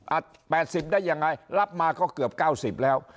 อ่ะแปดสิบได้ยังไงรับมาก็เกือบเก้าสิบแล้ว